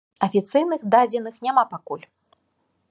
Афіцыйных дадзеных няма пакуль.